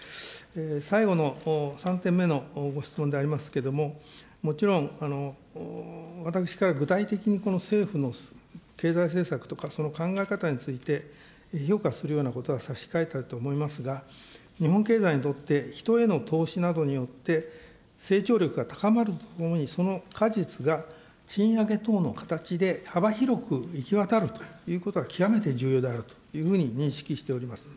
最後の３点目のご質問でありますけども、もちろん私から具体的に政府の経済政策とか、その考え方について評価するようなことは差し控えたいと思いますが、日本経済にとって、人への投資などによって成長力が高まるものにその果実が賃上げ等の形で幅広く行き渡るということは、極めて重要であるというふうに認識しております。